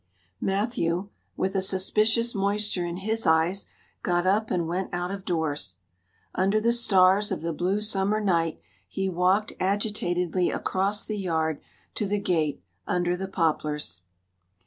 Matthew, with a suspicious moisture in his eyes, got up and went out of doors. Under the stars of the blue summer night he walked agitatedly across the yard to the gate under the poplars.